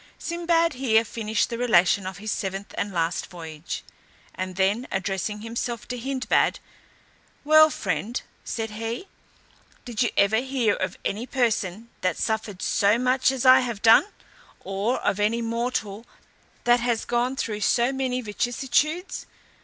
Sinbad here finished the relation of his seventh and last voyage, and then addressing himself to Hindbad, "Well, friend," said he, "did you ever hear of any person that suffered so much as I have done, or of any mortal that has gone through so many vicissitudes?